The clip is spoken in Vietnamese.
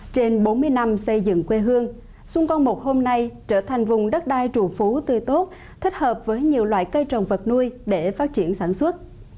trên bốn mươi năm xây dựng quê hương xuân quang i hôm nay trở thành vùng đất đai trù phú tươi tốt thích hợp với nhiều loại cây trồng vật nuôi để phát triển sản xuất